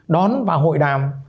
đón và hội đàm